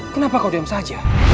kenapa kau diam saja